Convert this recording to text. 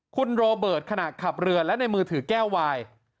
คุณโรเบิร์ตขณะขับเรือและในมือถือแก้ววาย